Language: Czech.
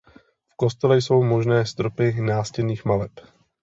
V kostele jsou možné stopy nástěnných maleb.